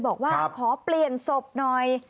บอกว่าขอเปลี่ยนศพหน่อย